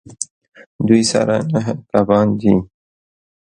دوی سره نهه کبان دي